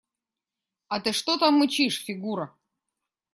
А ты что там мычишь, Фигура?